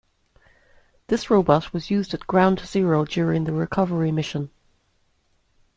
This robot was used at Ground Zero during the recovery mission.